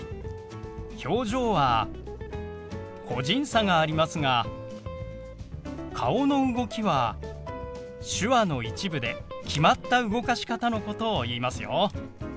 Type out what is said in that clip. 「表情」は個人差がありますが「顔の動き」は手話の一部で決まった動かし方のことを言いますよ。